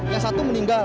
yang satu meninggal